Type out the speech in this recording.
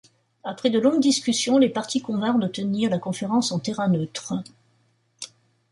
Après de longues discussions, les parties convinrent de tenir la conférence en terrain neutre.